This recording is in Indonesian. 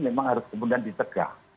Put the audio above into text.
memang harus kemudian ditegak